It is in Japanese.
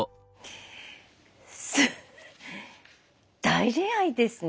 大恋愛ですね